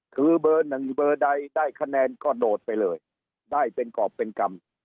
คือเบอร์หนึ่งเบอร์ใดได้คะแนนก็โดดไปเลยได้เป็นกรอบเป็นกรรม